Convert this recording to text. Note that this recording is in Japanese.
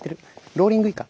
ローリングイカ。